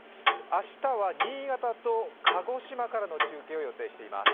明日は新潟と鹿児島からの中継をお送りします。